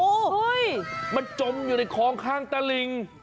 โอ้โหมันจมอยู่ในคลองข้างตะลิง